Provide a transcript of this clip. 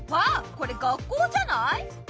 これ学校じゃない？